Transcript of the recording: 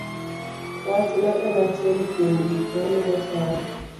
Wachno en achiel kuom gik mamiyo cham